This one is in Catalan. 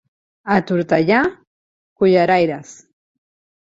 A Tortellà, culleraires.